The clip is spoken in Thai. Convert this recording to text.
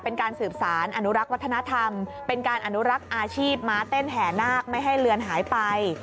เป็นการสืบสารอนุรักษ์วัฒนธรรมเป็นการอนุรักษ์อาชีพม้าเต้นแห่นาคไม่ให้เลือนหายไป